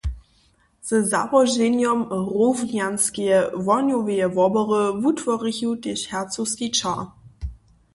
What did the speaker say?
Ze załoženjom Rownjanskeje wohnjoweje wobory wutworichu tež hercowski ćah.